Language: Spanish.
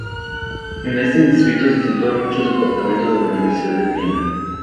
En este distrito se sitúan muchos departamentos de la Universidad de Viena.